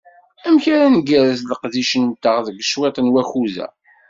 Amek ara ngerrez leqdic-nteɣ deg cwiṭ n wakud-a?